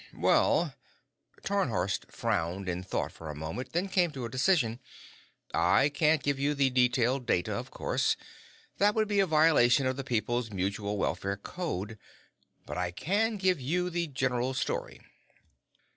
"Hm m m. Well." Tarnhorst frowned in thought for a moment, then came to a decision. "I can't give you the detailed data, of course; that would be a violation of the People's Mutual Welfare Code. But I can give you the general story."